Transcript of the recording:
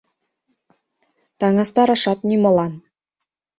Таҥастарашат нимолан.